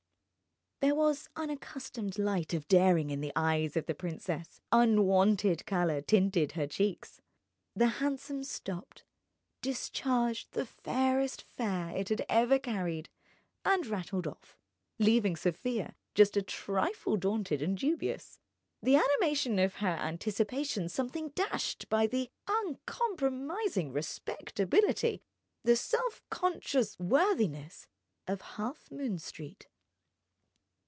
There was unaccustomed light of daring in the eyes of the princess, unwonted colour tinted her cheeks. The hansom stopped, discharged the fairest fare it had ever carried, and rattled off, leaving Sofia just a trifle daunted and dubious, the animation of her anticipations something dashed by the uncompromising respectability, the self conscious worthiness of Halfmoon Street.